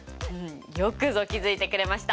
よくぞ気付いてくれました！